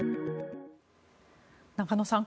中野さん